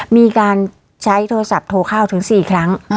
มีการใช้โทรศัพท์โทรเข้าถึง๔ครั้ง